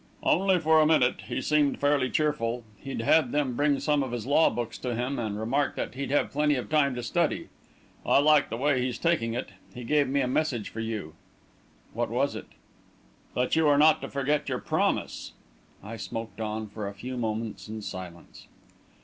"Only for a minute. He seemed fairly cheerful. He'd had them bring some of his law books to him, and remarked that he'd have plenty of time to study. I like the way he's taking it. He gave me a message for you." "What was it?" "That you are not to forget your promise." I smoked on for a few moments in silence.